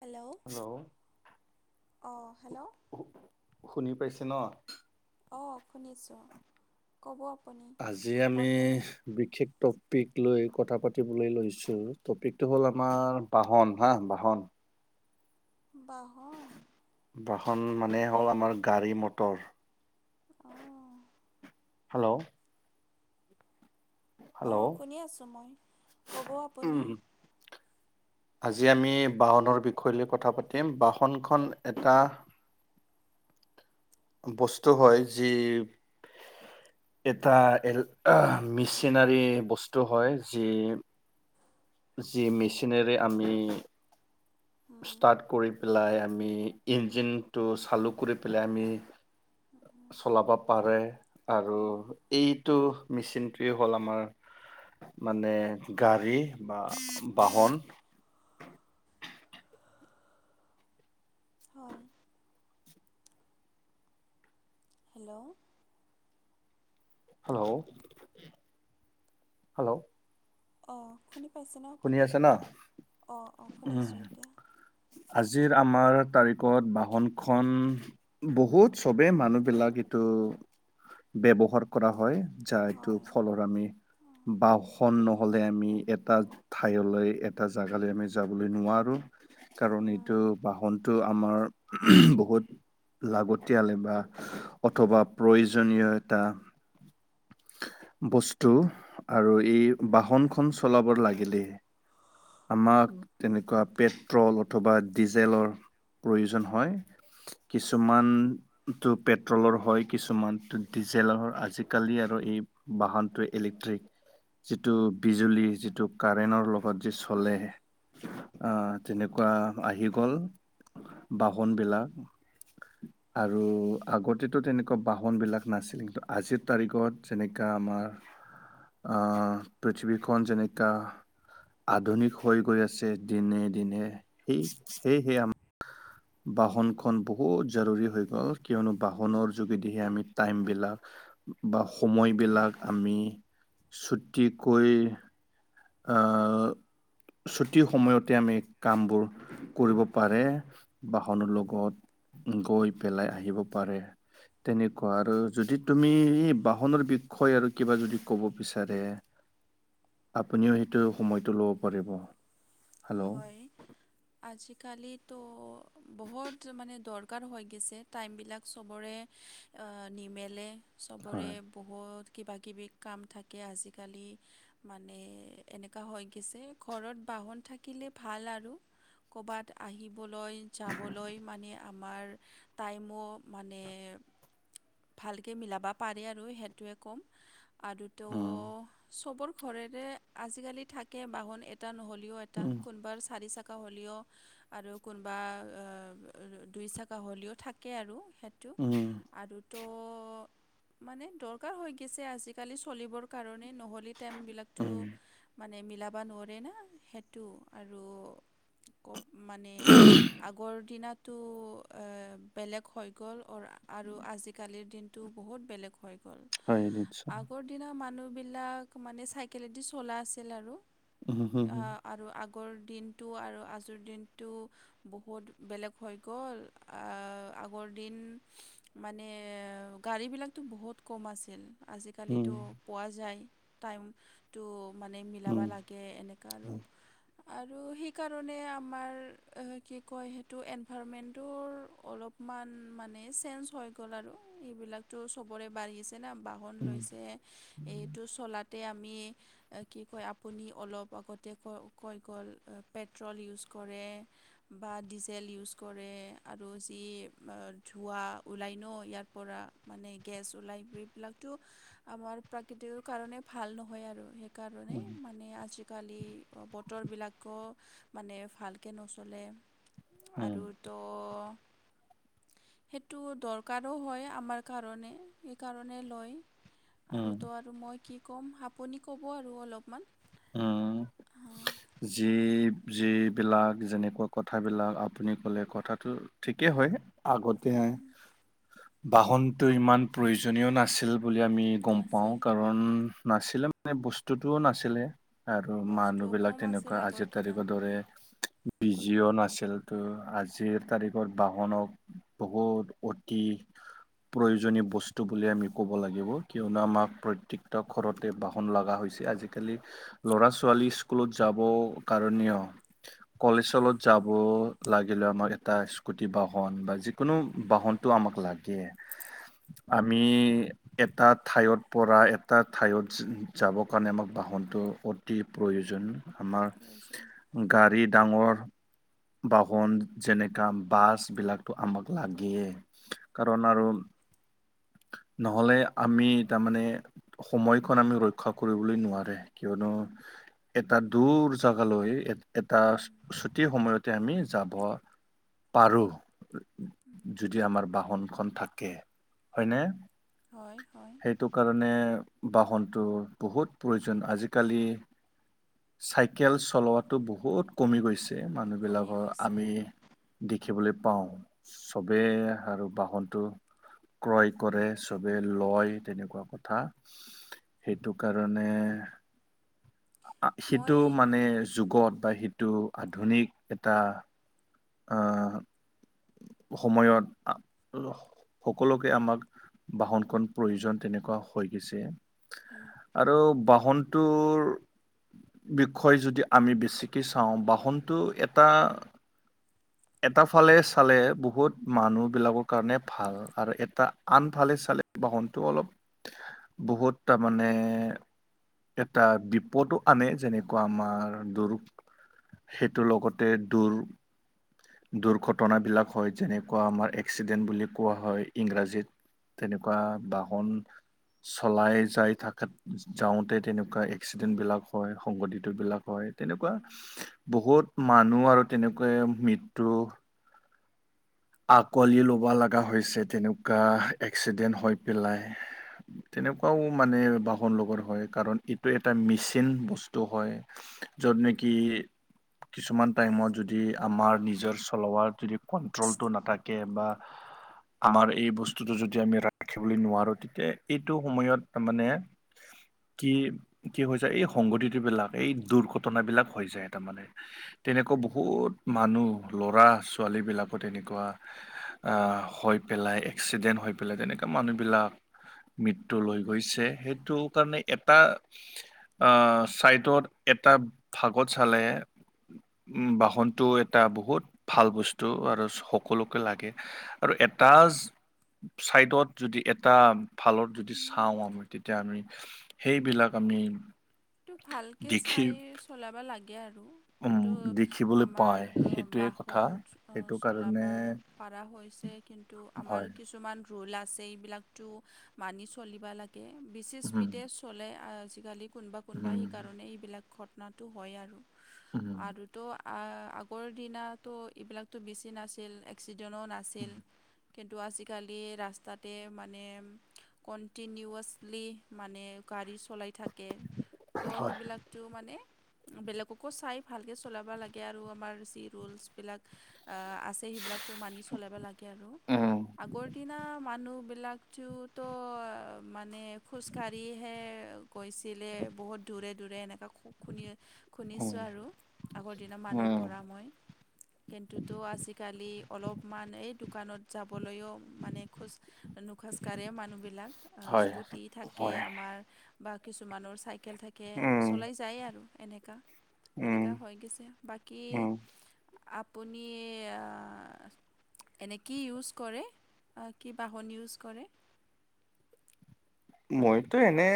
Hello hello অ hello শুনি পাইছে ন? অ শুনিছোঁ। ক'ব আপুনি আজি আমি খবৰ কেনে? বিশেষ টপিক লৈ কথা পাতিবলৈ লৈছোঁ টপিকটো হ'ল, আমাৰ বাহন হা বাহন। বাহন। বাহন মানে হ'ল আমাৰ গাড়ী মটৰ। অ। হেল্লো'? অঁ হেল্ল' শুনি আছোঁ মই। ক'ব উম আপুনি? আজি আমি বাহনৰ বিষয় লৈ কথা পাতিম। বাহনখন এটা বস্তু হয় যি এটা এল মেচিনাৰী বস্তু হয় যি, যি মেচিনেৰেী আমি উম, ষ্টাৰ্ট কৰি পেলাই আমি, ইঞ্জিনটো চালু কৰি পেলাই আমি চলাব পাৰে আৰু উম, এইটো মেচিনটোৱেই হ'ল আমাৰ মানে গাড়ী বা বাহন। হয়। হেল্লো'? Hello hello? অ শুনি পাইছে ন আপুনি? আছে না অ অ উম শুনিছোঁ এতিয়া। আজিৰ আমাৰ তাৰিখত বাহনখন বহুত চবেই মানুহবিলাক এইটো ব্যৱহাৰ কৰা হয়। যাৰ এইটো হয় ফলত আমি বাহন বহ নহ'লে আমি এটা ঠাইলৈ এটা জেগালৈ আমি যাবলৈ নোৱাৰোঁ। কাৰণ উম, এইটো বাহনটো টো আমাৰ বহুত লাগতিয়াল বা অথবা প্ৰয়োজ- প্ৰয়োজনিয়তা। বস্তু আৰু এই বাহনখন চলাব লাগিলেই [unintelligible] আমাক তেনেকুৱা পেট্ৰল অথবা ডিজেলৰ প্ৰয়োজন হয়। কিছুমান। টো পেট্ৰলৰ হয় কিছুমান ত ডিজেলৰ আজিকালি আৰু এই। বাহনটোয়ে ইলেক্ট্ৰিক যিটো বিজুলী যিটো কাৰেনৰ লগত। যে চলে আহ তেনেকুৱা আহি গ'ল। বাহনবিলাক। আৰু আগতেতো তেনেকুৱা বাহনবিলাক নাছিল কিন্তু আজিৰ তাৰিখত যেনেকা আমাৰ। আ পৃথিৱীখন যেনেকা। আধুনিক হৈ গৈ আছে দিনে দিনে সেই সেয়েহে আমাৰ বাহনখন বহুত জৰুৰী হৈ গ'ল কিয়নো বাহনৰ উম, যোগেদি আমি টাইমবিলাক বা সময়বিলাক আমি ছুটিকৈ অ ছুটি সময়তে আমি কামবোৰ। কৰিব পাৰে বাহনৰ লগত গৈ পেলাই আহিব পাৰে। তেনেকুৱা আৰু যদি তুমি এই বাহনৰ বিষয় আৰু কিবা যদি ক'ব বিচাৰে। আপুনিও সেইটো সময়টো ল'ব পাৰিব। হেল্ল' হয় আজিকালিতো বহুত মানে দৰ কাৰ হৈ গেছে টাইমবিলাক চবৰে নিমেলে চবৰে। হয় বহুত কিবাকিবি কাম থাকে আজিকালি। মানে এনেকা হৈ গেছে ঘৰত বাহন থাকিলে ভাল আৰু। ক'বাত আহিবলৈ যাবলৈ মানে আমাৰ। টাইমো মানে ভালকে মিলাবা পাৰে আৰু সেইটোৱে ক'ম। আৰু ত উম চবৰ ঘৰেৰে আজিকালি থাকে বাহন এটা নহ'লেও এট এটা উম কোনবাৰ চাৰি চাকা হ'লেঅ আৰু কোনবা দুই চাক হ'লেও থাকে আৰু সেইটো। উম। আৰু ত মানে দৰকাৰ হৈ গেছে আজিকালি চলিবৰ কাৰণে নহ লে টাইম বিলাকটো উম মানে মিলাবা নোৱৰে না সেটো আৰু। কব মানে আগৰ দিনত ইটো আ বেলেগ হৈ গ'ল অৰ আৰু আজিকালিৰ দিনটো বহুত বেলেগ হৈ গ'ল হয় নিশ্চয় আগৰ দিনা মানুহ বিলাক মানে চাইকলেদি চলা আছিল আৰু উম হম আ হম আৰু আগ আগৰ দিনটো আৰু আজিৰ দিনটো বহুত বেলেগ হৈ গ'ল আহ আগৰ দিন মানে গাড়ীবিলাকতো বহুত কম আছিল উম আজিকালিতো পোৱা যায় টাইম টো মানে মিলাবা লাগে এনেকা আৰু আৰু সেইকাৰণে আমাৰ কি কয় সেইটো এনভাৰমেণ্টৰ অলপ মান মানে চেঞ্জ হৈ গ'ল আৰু এইবিলাকটো সবৰে বাঢ়িছে তেনা বাহন লৈছে এইটো চলাত তে আমি কি কয় আপুনি অলপ আগতীয়াকৈ কৈ গল পেট্ৰল ইউজ কৰে। বা ডিজেল ইউজ কৰে আৰু যি ধোঁৱা ওলাই ন ইয়াৰ পৰা মানে গেছ ওলাই এইবিলাকতো আমাৰ প্ৰাকৃতিৰ কাৰণে ভাল নহয় আৰু। কাৰণে মানে আজিকালি অবোধ উত্তৰ বিলাকো মানে ভালকৈ নচলে হম আৰু তো সেইটো দৰকাৰো হয় আমাৰ কাৰণে সেইকাৰণে লয় আৰু তো আৰু মই কি ক'ম আপুনি ক'ব আৰু অলপমান উম যি যিবিলাক যেনেকুৱা কথাবিলাক আপুনি ক'লে কথাটো ঠিকেই হয় আগতে বাহনটো ইমান প্ৰয়োজনীয় নাছিল বুলি আমি গম পাওঁ নাছিল কাৰণ নাছিলে মানে বস্তুটোও নাছিলে আৰু মানুহ বস্তুও বিলাক কম যেনেকুৱা আছিল আগৰ আজিৰ দিনা তাৰিখৰ দৰে বিজিঅ' নাছিল তো আজিৰ তাৰিখত বাহনক বহুত অতি প্ৰয়োজনীয় বস্তু বুলি আমি ক'ব লাগিব কিয়নো আমাক প্ৰত্যেকটো ঘৰতে বাহন লগা হৈছে আজিকালি ল'ৰা-ছোৱালী স্কুলত যাব কাৰণেও কলেজত হলত যাব লাগিলে আমাৰ এটা স্কুটি বাহন বা যি কোনো বাহনটো আমাক লাগে আমি এটা ঠাইৰ পৰা এটা ঠাইত যাবৰ কাৰণে আমাক বাহনটো অতি প্ৰয়োজন প্ৰাইচন আমাৰ গাড়ী ডাঙৰ বাহন যেনেকা বাছবিলাকটো আমাক লাগে কাৰণ আৰু নহ'লে আমি তাৰমানে সময়খন আমি ৰক্ষা কৰিবলৈ নোৱাৰে কিয়নো এটা দূৰ যাত আগালৈ এ এটা ছুটিৰ সময়তে আমি যাব পাৰোঁ [inaudible] যদি আমাৰ বাহনখন থাকে হয়নে হয় হয় সেইটো কাৰণে বাহনটো বহুত প্ৰয়োজন আজিকালি চাইকেল চলোৱাটো বহুত কমি গৈছে কমি মানুহবিলাকৰ গৈছে আমি দেখিবলৈ পাওঁ ছবেই আৰু বাহনটো ক্ৰয় কৰে চবে লয় তেনেকুৱা কথা সেইটো কাৰণে সেইটো মানে মই যুগত বা সেইটো আধুনিক এটা আহ সময়ত সকলোকে আমাক বাহনখন প্ৰয়োজন তেনেকুৱা হৈ গৈছে আৰু বাহন তোৰ বিষয়ে যদি আমি বেছিকৈ চাওঁ বাহনটো এটা এটা ফালে চালে বহুত মানুহ বিলাকৰ কাৰণে ভাল আৰু এটা আনফালে চালে বাহনটো অলপ বহুত তাৰমানে এটা বিপদো আনে যেনেকুৱা আমাৰ দৰ সেইটোৰ লগতে দূৰ দুৰ্ঘটনাবিলাক হয় যেনেকুৱা আমাৰ এক্সিডেণ্ট বুলি কোৱা হয়। ইংৰাজীত তেনেকুৱা বাহন। চলাই যাই থাকাত যাওঁতে তেনেকা প্ৰায় এক্সিডেন্ট বিলাক হয় সংঘটিত বিলাক হয় তেনেকুৱা বহুত মানুহ আৰু তেনেকুৱৈ মৃত্যু আকোৱালি ল'ব লগা হৈছে তেনেকুৱা এক্সিডেণ্ট হৈ পেলাই। তেনেকুৱাও মানে বাহন লগৰ হয়, কাৰণ এইটো এটা মেচিন বস্তু হয়। য'ত নেকি কিছুমান টাইমত যদি আমাৰ নিজৰ চলোৱাত যদি কন্ট্ৰল টো নাথাকে বা আমাৰ এই বস্তুটো যদি আমি ৰাখিবলৈ নোৱাৰোঁ, তেতিয়া এইটো সময়ত মানে কি, কি হৈ যায় এই সংঘতটিবিলাক এই দুৰ্ঘটনাবিলাক হৈ যায় তাৰমানে। তেনেকুৱা বহুত মানুহ ল'ৰা ছোৱালীবিলাকৰ তেনেকা কুৱা আহ, হৈ পেলাই এক্সিডেন্ট হৈ পেলাই তেনেকে মানুহবিলাক মৃত্যু লৈ গৈছে, সেইটো কাৰণে এটা আহ, চাইডত এটা ভাগত চালে উম, বাহনতটো এটা বহুত ভাল বস্তু আৰু সকলোকে লাগে আৰু এটা ছাইডত যদি এটা ফালত যদি চাওঁ আমি, তেতিয়া আমি সেইবিলাক আমি সেটো ভালকে দেখি চাই চলাব লাগে আৰু উম, এইটো দেখিবলৈ আমাৰ পায় আহ, সেইটোৱে কথা। বাহন সেইটো কাৰণে চলাবা পাৰা হৈছে। কিন্তু, আমাৰ হয় কিছুমান ৰোল আছে এইবিলাকটো মানি চলিব লাগে, বেছি উম, স্পিডে চলে আজিকালি কোনোবা, কোনোবা উম, সেইকাৰণে এইবিলাক ঘটনাটো হয়, আৰু। উম, আৰুতো আগৰ দিনাতো এইবিলাকতো বেছি নাছিল এক এক্সিডেণ্টো নাছিল, কিন্তু আজিকালি ৰাস্তাতে মানে কণ্টিনিউৱাচলি মানে গাড়ী চলাই থাকে, ত' হয়। সেইবিলাক টো মানে বেলেগকো চাই ভালকে চলাব লাগে আৰু আমাৰ যি ৰোলচবিলাক। অ', আছে সেইবিলাকতো মানি চলাবা লা গে আৰু উম, আগৰ দিনা মানুহবিলাক তো ত' মানে খোজকাঢ়িহে গৈছিলে বহুত দূৰে, দূৰে এনেকুৱা খুব খুনি উম, শুনিছোঁ আৰু আগৰ দিনৰ মানুহৰ উম, পৰা মই। কিন্তুতো আজিকালি অলপমান এই দোকানত যাবলৈও মানে খোজ নুখজকাঢ়েও মানুহবিলাক। অ', হয়, স্কুটি থাকে হয়, আমাৰ, বা কিছুমানৰ চাইকেল থা কে উম, চলাই যায় আৰু এনেকা, উম, এনেকা হৈ গৈছে বাকী উম। আপুনি আহ এনে কি ইউজ কৰে, কি বাহন ইউজ কৰে? মইতো এনে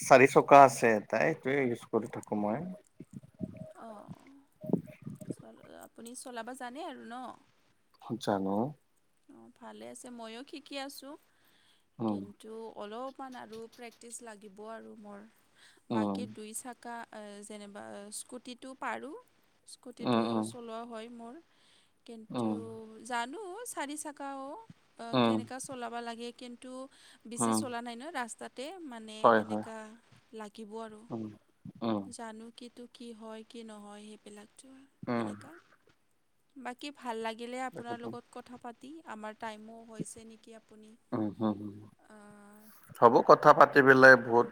চাৰি চকা আছে এটা, এইটোয়ে ইউজ কৰি থাকোঁ মই। অ', আপুনি চলাব জানে আৰু ন'? জানোঁ। অ', ভালে আছে ময়ো শিকি আছোঁ, উম, কিন তু অলপমান আৰু প্ৰেক্টিচ লাগিব আৰু মোৰ। উম। বাকী দুই চাক কা এ, যেনিবা স্কুটিটো পাৰোঁ, উম স্কুটিটো উম চলোৱাও হয়, মোৰ। কিন্তু উম জানো চাৰি চাকাও, উম কেনেকা চ চলাব লাগে কিন্তু, বেছি উম চলা নাই ন, ৰাস্তাত তে মানে হয় হয় এনেকা লাগিব আৰু। উম উম জানো কি টো কি হয়, কি নহয় সেইবিলাকতো উম এনেকা। বাকী ভাল লাগিলে আপোনাৰ একদম লগত কথা পাতি। আমাৰ টাইমো হৈছে নেকি আপ [unintelligible] হ'ব কথা পাতি পেলাই বহুত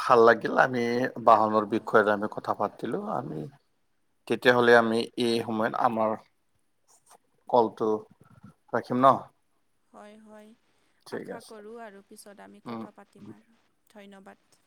ভাল লাগিলানে? বাহনৰ হয় বিষয়ত আমি কথা পাতিলো আমি, তেতিয়াহ'লে উম, আমি এই সময়ত আমাৰ কলটো ৰাখিম ন? হয়, হয়, ঠিক আশা আছে কৰোঁ আৰু পিছত আমি উম কথা পাতিম আৰু, ধন্যবাদ।